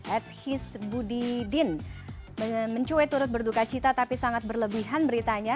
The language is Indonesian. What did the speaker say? ed hisbudidin mencuit turut berduka cita tapi sangat berlebihan beritanya